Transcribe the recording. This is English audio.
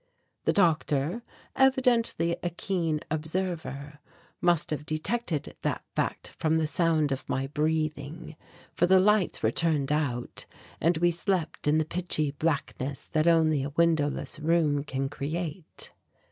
The doctor, evidently a keen observer, must have detected that fact from the sound of my breathing, for the lights were turned out and we slept in the pitchy blackness that only a windowless room can create.